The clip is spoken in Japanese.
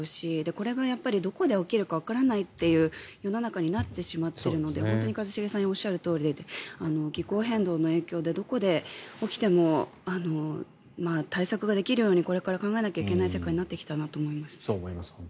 これがどこで起きるかわからないという世の中になってしまっているので本当に一茂さんがおっしゃるとおりで気候変動の影響でどこで起きても対策ができるようにこれから考えなきゃいけない社会になってきたなと思います。